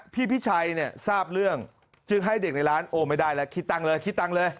พี่พิชัยเนี่ยทราบเรื่องจึงให้เด็กในร้านโอ้ไม่ได้แล้วคิดตังค์เลยคิดตังค์เลย